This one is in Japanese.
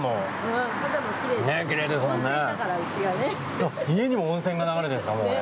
あっ家にも温泉が流れてるんですか？